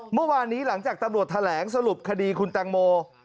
เมื่อวานนี้หลังจากตำรวจแถลงสรุปคดีคุณแตงโม